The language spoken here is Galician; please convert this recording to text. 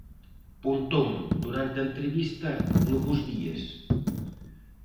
Pontón durante a entrevista no 'Bos Días'.